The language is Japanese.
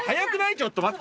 ちょっと待って。